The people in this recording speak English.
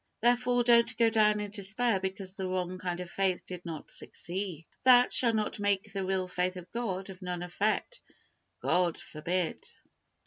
Therefore, don't go down in despair because the wrong kind of faith did not succeed. That shall not make the real faith of God of none effect God forbid!